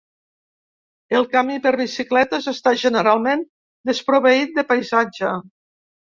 El camí per bicicletes està generalment desproveït de paisatge.